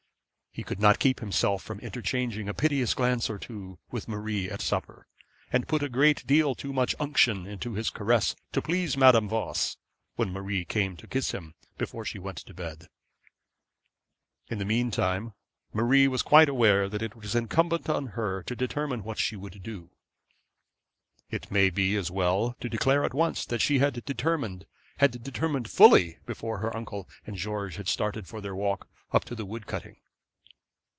He could not keep himself from interchanging a piteous glance or two with Marie at supper, and put a great deal too much unction into his caress to please Madame Voss, when Marie came to kiss him before she went to bed. In the mean time Marie was quite aware that it was incumbent on her to determine what she would do. It may be as well to declare at once that she had determined had determined fully, before her uncle and George had started for their walk up to the wood cutting.